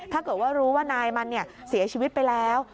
ถ้าเกิดว่ารู้ว่านายมันเสียชีวิตไปแล้ว